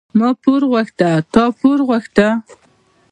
ـ ما پور غوښته تا نور غوښته.